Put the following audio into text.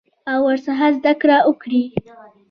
او ورڅخه زده کړه وکړي.